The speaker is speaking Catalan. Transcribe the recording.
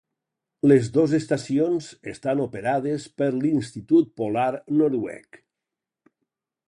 Les dos estacions estan operades per l'Institut Polar Noruec.